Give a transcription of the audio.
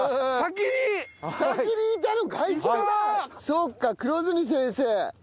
そっか黒住先生。